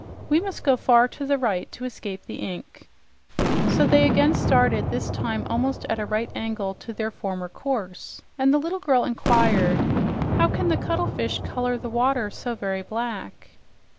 "We must go far to the right to escape the ink." So they again started, this time almost at a right angle to their former course, the little girl inquired: "How can the cuttlefish color the water so very black?"